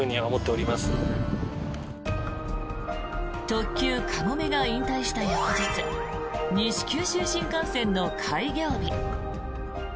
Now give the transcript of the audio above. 特急かもめが引退した翌日西九州新幹線の開業日。